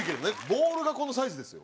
ボールがこのサイズですよ。